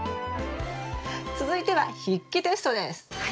続いては筆記テストです。